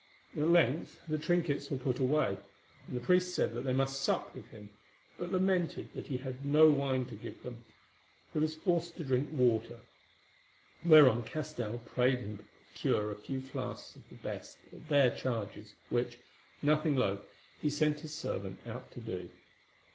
At length the trinkets were put away, and the priest said that they must sup with him, but lamented that he had no wine to give them, who was forced to drink water; whereon Castell prayed him to procure a few flasks of the best at their charges, which, nothing loth, he sent his servant out to do.